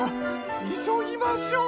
いそぎましょ！